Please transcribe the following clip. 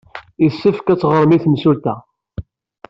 Yessefk ad teɣrem i temsulta.